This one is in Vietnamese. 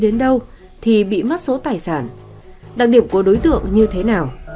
đến đâu thì bị mất số tài sản đặc điểm của đối tượng như thế nào